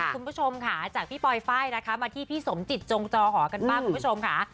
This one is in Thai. คุณผู้ชมค่ะจากพี่ปลอยไฟล์นะคะมาที่พี่สมจิตจงจอหอกันบ้างคุณผู้ชมค่ะ